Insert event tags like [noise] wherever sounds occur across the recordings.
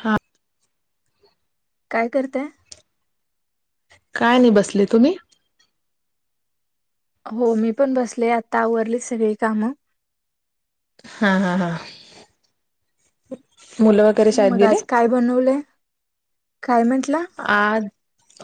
हा. काय करताय. काय नाही बसले तुम्ही? हो मी पण बसले आता आवरली सगळी कामं. हा हा हा. मुलं वगैरे शाळेत मग आज गेले. काय बनवलंय? काय म्हंटला? अ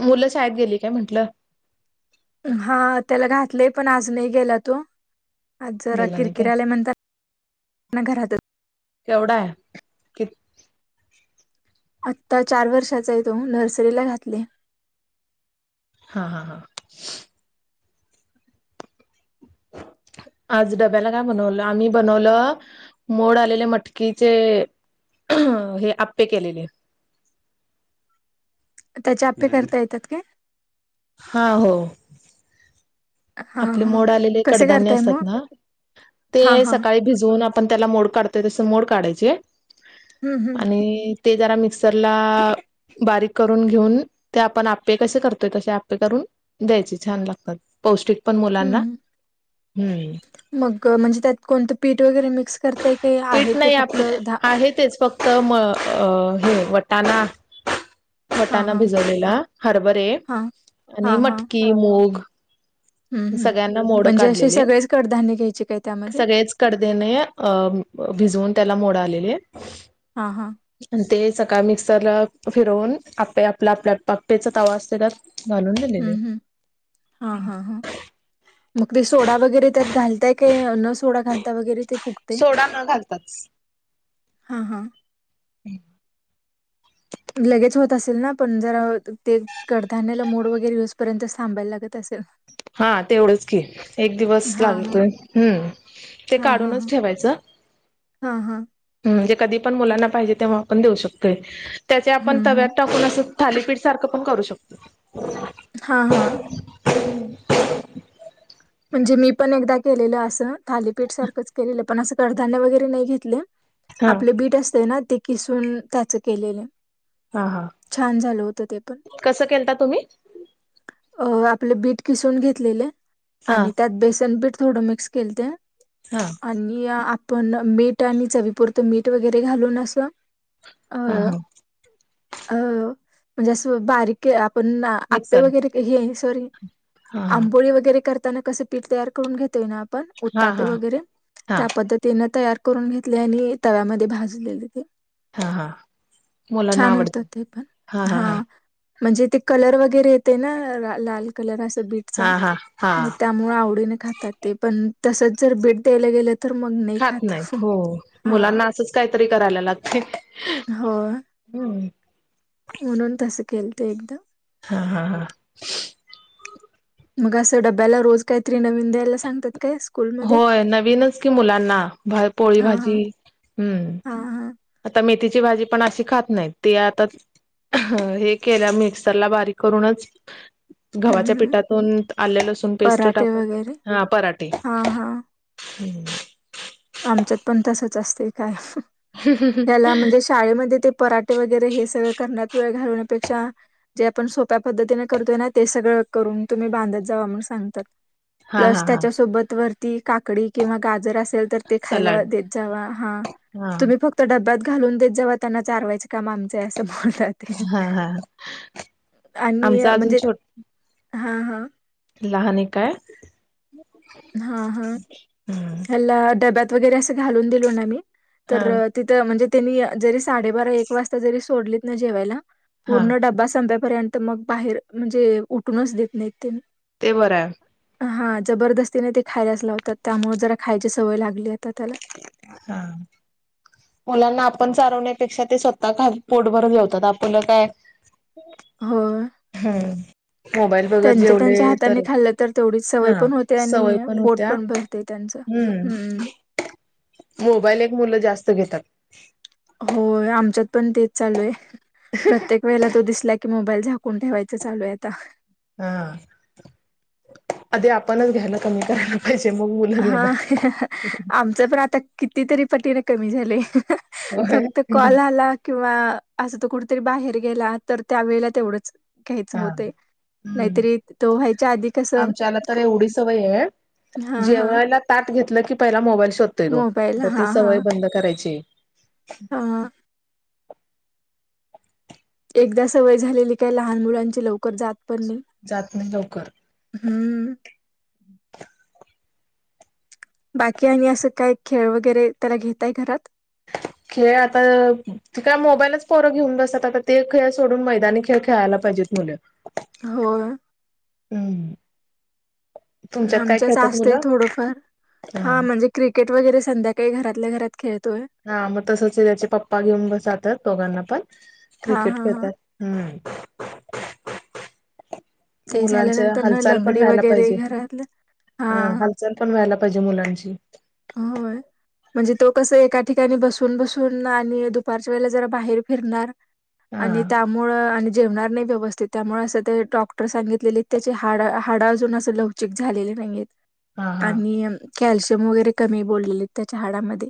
मुलं शाळेत गेली काय म्हंटलं. हा त्याला घातलंय पण आज नाही गेला तो. आज जरा गेला नाही काय? किरकिरलाय म्हणंताण घरातच- केवढा आहे कि आत्ता चार वर्षाचा आहे तो नर्सरीला घातले हा हा हा [unintelligible] आज डब्याला काय बनवलं आम्ही बनवलं मोड आलेले मटकीचे अ हे आपे केलेले [unintelligible] त्याचे आपे करता येतात का हा हो हा आपले हा मोड आलेले कसे कडधान्य करताय असतात मग? ना हा ते हा सकाळी भिजवून पण त्याला मो काढतोय तस मोड काढाय चे हम्म हम्म आणि ते जरा मिक्सी त्याला बारीक करून पिळून घेऊन ते आपण आप्पे कसे करतो तसे आप्पे करून द्यायचे छान लागतात पोस्टीक पण हम्म मुलांना हम्म हम्म मग म्हणजे त्यात कोणतं पीठ वगैरे मिक्स करताय काही आहे पीठ ते नाही आप फक्त आहे तेच फक्त म हे वटणा हा वटाणा हा भिजवलेला हरभरे हा आणि हा हा मटकी मूग हम्म हम्म सगळ्यांना मोड म्हणजे असे काढलेले सगळेच कडधान्य घ्यायचे काय त्यामध्ये? सगळेच कडदने अ भिजवून त्याला मोड आलेले हा हा आणि ते सकाळ मिक्सरला फिरवून आप्पे आपला आपल्या आप्पेचा तवा असतेला घालून हं, झालेले हं. हां, हां, हां. मग ते सोडा वगैरे त्यात घालताय काय न सोडा घालता वगैरे ते सोडा न घालताात हा हा हम् लगेज होत असेल ना पण जरा ते कडधान्यला मोड वगैरे य पर्यंत साबायला लागत असेल हा तेवढंच की एक दिवस हां, हां. लागतोय हम्म ते काढूनच ठेवायचं हा हा म्हणजे कधी पण मुलांना पाहिजे तेव्हा पण देऊ शकतोय त्याचे आपण हं, तव्यात हं. टाकून असं थालीपीठ सारखं पण करू शकतो हा हा [unintelligible] म्हणजे मी पण एकदा केलेलं असं थालीपीठ सारखंच केलेलं पण असं कडधान्य वगैरे नाही घेतले हा आपले बीट असते ना ते किसून त्याच केलेले हा हा. छान झालं होतं ते पण कसं केलता तुम्ही अ आपले बीट किसून घेतलेले हा आणि त्यात बेसन बीठ थोडं मिक्स केल ते हा आणि आपण मीठ आणि चवीपुरतं मीठ वगैरे घालून अस हा हा अ म्हणजे अस बारीक पण आपे मिक्सर वगैरे आहे सॉरी हा हा आंबोळी वगैरे कर क पीठ तयार करून घेतोय ना आपण हा उतापे हा वगैरे हा त्या पद्धतीन तयार करून घेतले आणि तव्यामध्ये भाजलेले ते हा हा मुलांना छान होत आवडतं ते पण हा म्हणजे ते कलर वगैरे येते ना लाल कलर अस हा हा हा मग त्यामुळे आवडीने खातात ते पण तसच जर भेट द्यायला गेलं तर मग नाही खात नाहीत हो हा मुलांना असंच काहीतरी करायला लागते हो हम्म म्हणून तसं केलता एकदम हा हा हा मग असं डब्याला रोज काहीतरी नवीन द्यायला सांगतात काय स्कूलमध्ये? होय नवीनच कि मुलांना पोळी हां हां. भाजी हम्म हां हां. आता मेथीची भाजी पण अशी खात नाहीत तेी आता अ हे केलं मिक्सरला बारीक करूनच हं गव्हाच्या हं. पिठातून आले लसूण पेस्ट टाकून हा पराठे व हम्म का ह म्हण श पराठे वगैरे हे सगळ करण्यात वेळ घालण्यापेक्षा जे आपण सोप्या पद्धतीने करतोय ना ते सगळं करून तुम्ही बांधत जा सांगतात हा प्लस हा हा त्याच्या सोबत वरती काकडी किंवा गाजर असेल तर ते खायला सलाड देत जा हा हा तुम्ही फक्त डब्यात घालून देत जावा. त्यांना चारवायच काम आमचय असं. हा हा आणि आमचा अजून म्हणजे छोट हा हा लहान एक काय हा हा ह्याला डब्यात वगैरे असं घालून दिलो ना मी तर हा तिथं म्हणजे त्यांनी जरी साडेबारा एक वाजता जरी सोडलीत ना जेवायला हा पूर्ण डब्बा संपे पर्यंत मग बाहेर म्हणजे उठूनच देत नाहीत तेनी ते बरं आहे हा जबरदस्तीने ते खायलाच लावतात. त्यामुळे जरा खायची सवय लागली आहे. हा मुलांना आ पण चारवण्यापेक्षा ते स्वतःपोट भर जेवतात आपलं काय, हं हा त्यांच्या त्यांच्या हाताने खाल्लं तर तेवढीच सवय हा पण होते सवय आणि पोट होत्या पण भरते त्यांच हम्म, मोबाईल एक मुलं जास्त घेतात. हो आमच्यात पण तेच चालू आहे. प्रत्येक वेळेला तो दिसला की, की मोबाईल झाकून ठेवायचं चालू आहे. आता, हा आधी आपणच घ्यायला कमी करायला पाहिजे. मग मुलं हा घेणार आमचं पण आता कितीतरी पटीने कमी झालंय. होय फक्त कॉल आला किंवा असं तो कुठतरी बाहेर गेला तर त्या वेळेला तेवढंच घ्यायचं हा होतय. हम्म नाहीतरी तो व्हायच्या आधी कसं आमच्याला तर एवढी सवय आहे हा हा जेवायला ताट घेतलं की पहिला मोबाईल शोधतोय मोबाईल तो हा तीच हा सवय बंद करायची. हा [inaudible] एकदा सवय झालेली काय लहान मुलांची लवकर जात पण नाही जात नाही लवकर हम्म म [inaudible] बाकी आणि असं काय खेळ वगैरे त्याला घेताय घरात खेळ आता काय मोबाईलच पोरं घेऊन बसतात. आता ते खेळ सोडून मैदानी खेळ खेळायला पाहिजे. म्हणेन होय. हम आमच्याच असतय थोडंफार हा म्हणजे क्रि केट वगैरे संध्याकाळी घरातल्या घरात खेळत हा मग तसच त्याचे पप्पा घेऊन जातात. दोघांना पण हा क्रिकेट हा हा खेळतात हम्म [unintelligible] ते मुलांच्या झाल्यानंतर ना हालचाल पण लंगडी राहायला वगैरे पाहिजे. घरातलं हा, हां. हालचाल पण व्हायला पाहिजे मुलांची. होय. म्हणजे तो कसं, एका ठिकाणी बसून, बसून आणि दुपारच्या वेळेला जरा बाहेर फिरणार. हा आणि त्यामुळं आणि जेवणार नाही व्यवस्थित, त्यामुळे असं ते डॉक्टर सांगितलेले त्याचे हाड हाडा अजून असं लवचिक झालेले हा हा आणि कॅल्शियम वगैरे कमी बोललेले त्याच्या हाडामध्ये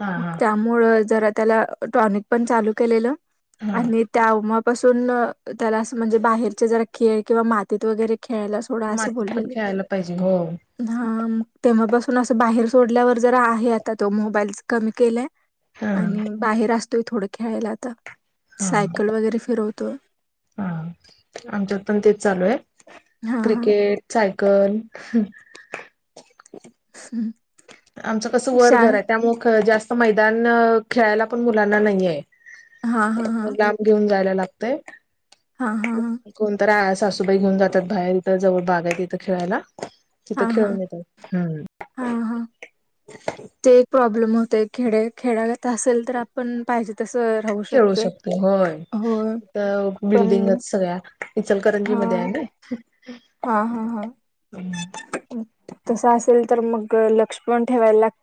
हा मग हा त्यामुळं जरा त्याला टॉनिक पण चालू केलेलं हा आणि तेव्हापासून त्याला असं म्हणजे बाहेरचे जरा खेळ किंवा मातीत वगैरे खेळायला सोडा असं मातीत पण बोललेले खेळायला पाहिजे हो हा तेव्हापासून असं बाहेर सोडल्यावर जरा आहे, आता तो मोबाईल कमी केलाय. हा आणि बाहेर असतोय. थोडं खेळायला आता हा सायकल वगैरे फिरवतो. हा, आमच्यात पण तेच चालू आहे. हां, हां. क्रिकेट पण हम्म आमचं कसं वर घर आहे त्यामुळं जास्त मैदान खेळायला पण मुलांना नाहीये. हां, हां, लांब घेऊन जायला लागतय हा, हा, हा कोणत सासूबाई घेऊन जातात बाहेर इथं जवळ बाग आहेत इथं खेळायला. तिथं, हां, हां. खेळून येतात, हम्म हां, हां. ते एक प्रॉब्लेम होतय, खेडे खेडयात असेल तर आपण पाहिजे तसं राहू खेळू शकतोय. शकतो, होय, होय, इथ पण बिल्डिंगच सगळ्या इचलकरंजी मध्ये हाय मी हा, हा, हा, हम्म तसं असेल तर मग लक्ष पण ठेवायला लागत.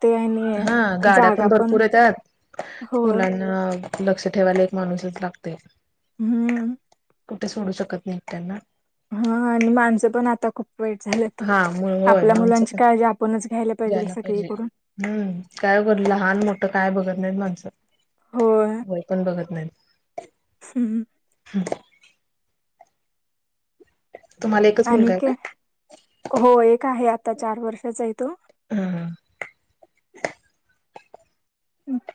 हा गाड्या पण भरपूर आहे त्यात होय. मुलांना लक्ष ठेवायला एक माणूस लागतय हम्म कुठे, सोडू शकत नाहीत त्यांना. हा आणि माणसं पण आता खूप वाईट झालेत हा मु होय आपल्या माणसं मुलांची पण काळजी आपणच घ्यायला पाहिजे सगळी कडून. हम्म, काय बर लहान मोठं काय बघत नाय माणसं, वय पण बघत नायत. हम्म, ह ह [inaudible] एकच आणि मुलगा काय आहे आहे. हो एक आहे आता चार वर्षाचा आहे तो. [unintelligible] का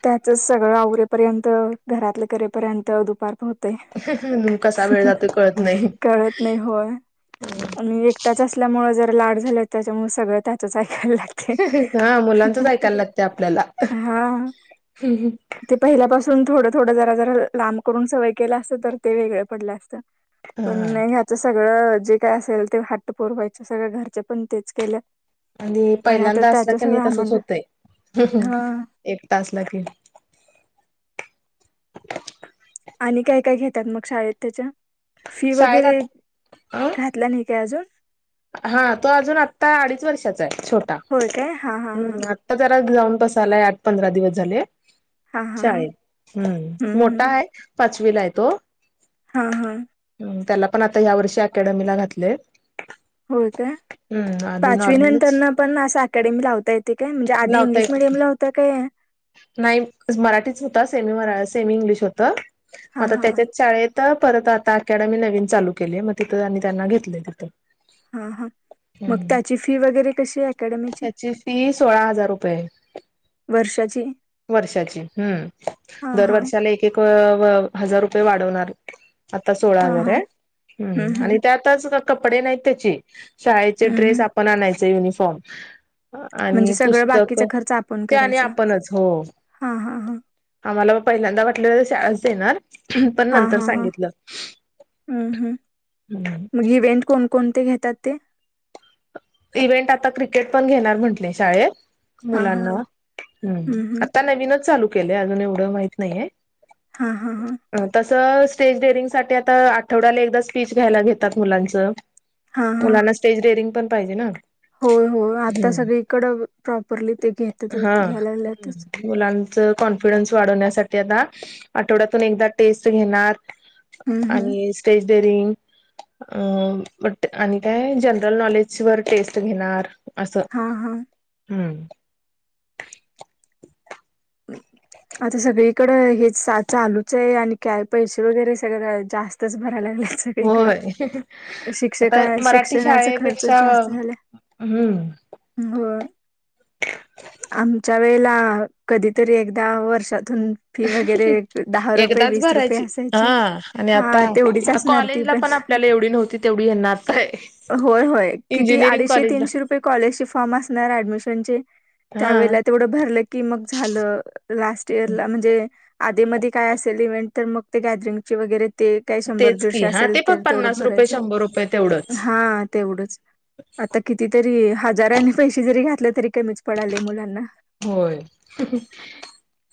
त्याचच सगळं आवरवरेपर्यंत घरातलं करेपर्यंत दुपार ह कसा वेळ जातो कळत नाही कळत नाही होय, एकटाच असं ल्यामुळ जरा लाड झालंय त्याच्यामुळे सगळं त्याच च ऐक लागतंय हा मुलांचच ऐकायला लागते आपल्याला हा, ते पहिल्यापासून थोडं थोडं जरा, जरा लांब करून सवय केल असतं तर ते वेगळं पडल असतं. पण, हा नाही हयाच सगळं जे काय असेल, ते हट्ट पुरवायचे, सगळं घरचे पण तेच केलं. आणि आता पहिल्यांदा असला त्याच क नाही सगळं तसच आम्हाना होतंय. हा एकटाच असला की आणि काय, काय घेतात मग शाळेत त्याच्या फी शाळेत वगैरे, आता अ घातला नाही काय अजून? हा, तो अजून आता अडीच वर्षाचा आहे छोटा, होय काय हा हा हा आता जरा जाऊन बसालाय आठ पंधरा दिवस झाले. हा हा हा शाळेत हम्म मोठा आहे पाचवीला आहे तो.. हा हा. त्याला पण आता या वर्षी अकॅडमीला घातले. होय का. पाचवी नंतर नॉर्मलच न पण असा अकॅडमी लावता येते काय म्हणजे आधी लावता इंग्लिश येत मिडियम ला होता काय.. नाही मराठीच होता सेमी सेमी इंग्लिश होत म हा हा त्याच्याच शाळेत.. तर परत आता अकॅडमी नवीन चालू केली आहे मग तिथं आणि त्यांना घेतलंय तिथं. हा हा मग हम्म त्याची फी वगैरे कशी अकॅडमी ची त्याची फी सोळा हजार रुपये वा वर्षाची हम्म हा हा दरवर्षाला एक एक.. हजार रुपये वाढवणार आता सोळा हा हजार हा आहे हम्म आणि हम्म त्यातच कपडे नाहीत त्याची शाळेचे हम्म ड्रेस हम्म आपण आणायच युनिफॉर्म. म्हणजे आणि सगळं पुस्तक बाकीचा खर्च आपण त्या आणि करायचा आप.. हो हां, हां, हां. आम्हाला पहिल्यांदा वाटले शाळाच देणार. पण नंतर सांगितलं. हम् हम् मग इव्हेंट कोणकोणते घेतात ते. इव्हेंट आता क्रिकेट पण घेणार म्हंटले शाळेत. हां, हां, मुलांना हां. हम् हं, हं. आता नवीनच चालू केलंय अजून एवढं माहित नाहीये. हा हा हा. स्टेज डेअरिंग सा आता आठवड्याला एकदा स्पीच घ्यायला घेतात मुलांच.. मुलांना स्टेज रडेअरिंग पण पाहिजे ना. हो हो आता सगळीकड प्रॉपरली ते घेतच हा घ्यायलातच. मुलांच कॉन्फिडन्स वावण्यासाठी आता आठवड्यातून एकदा टेस्ट घेणार.. हं, हं. आणि स्टेज.. काय जल न... श्युअर टेस्ट घेणार असं हां, हां. हम्म. हम्. आता सगळीकड हे चालूच आहे आणि काय पैसे वगैरे सगळं जास्तच भरायला ला.. होय आता मराठी शिक्षणाचा खर्च शाळेपेक्षा.. हम्म. हो आमच्या वेळेला कधीतरी एकदा वर्षात... तथून फी वगैरे दहा रुपये एकदाच वीस रुपये भरायची हा असायची आणि आता हा तेवढीच असणार ती.. कॉलेजला पण आपल्याला एवढी नव्हती तेवढी येणार आहे. होय होय किती इंजिनिअरिंग अडीचशे कॉलेजला तीनशे रुपये कॉलेज फॉर्म असणार ऍडमिशन.. हा त्यावेळे तेवढं भरलं की मग झालं लास्ट इर ला म्हणजे.. आधी मध्ये काय असेल इव्हेंट तर मग ते गॅदरिंगची वगैरे.. ते काही शंभर तेच दीडशे की हा असेल ते पण तर तेवढं पन्नास रुपये भरायचं. शंभर रुपये तेवढंच हा तेवढच आता कितीतरी हजारांनी पैसे जरी घातले.. तरी कमीच पडले मुलांना. होय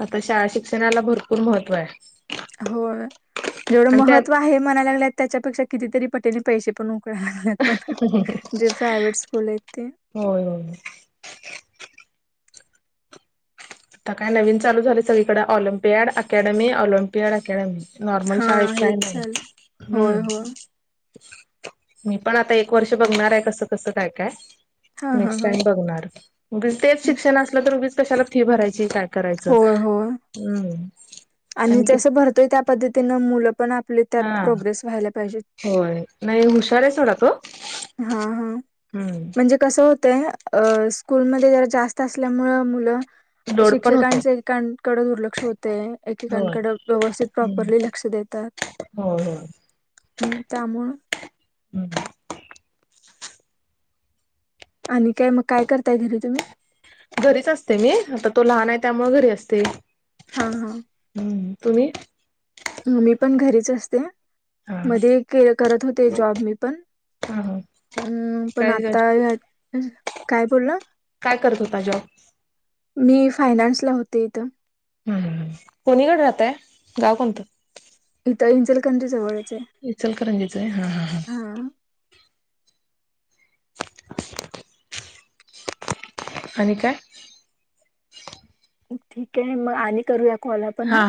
आता शाळा शिक्षणाला भरपूर महत्त्व आहे. हो जेवढं आणि त्या महत्व आहे म्हणाय लागले त्याच्यापेक्षा कितीतरी पटेल पैसे पण.. ण जे प्रायवट स्कूल येत.. [inaudible] होय होय आता काय नवीन चालू झाले सगळीकडे Olympiad academy Olympiad academy. Normal हा शाळेत हेच काही नाही चालू हम्म. होय होय मी पण आता एक वर्ष बघणार आहे कसं कसं काय काय. हां हां नेक्स्ट हां टाइम बघणारगी तेच शिक्षण असलं तर उगीच कशाला फी भरायची का... करायचं होय होय हम्म. आणि जसं भरतोय त्या पद्धतीनं मुलं पण आपली त्यात हा प्रोग्रेस व्हायला पाहिजे. होय नाही हुशार आहे सोडा तो हा हा हम्म म्हणजे कसं हो ते स्कूलमध्ये जरा जास्त असल्यामुळं मुलं लोड पण होतो शिक्षकांच एकेकांकडे दुर्लक्ष होते होय एकेकांकडे व्यवस्थित प्रॉपरली लक्ष देतात होय हो हम् तामुं अय आणि काय मग काय करताय घेरी तुम्ही घरीच असते मी आता तो लहान आहे त्यामुळे घरी असते हा हा हम्म तुम्ही मी पण घरीच असते हा मध्ये के करत होते जॉब मी पण हा हा हम् पण काय आता ह्या काय बोलला काय करत होता जॉब? मी फायनान्स ला होते इथं- ह कोणीकडे राहतय? गाव कोणतं? त इंचल कंजीजवळा य. विचलकरं जीच आहे हा हा हा. [unintelligible] [inaudible] आणि काय? ठीक आहे म आणि करूया कॉल आपण हा.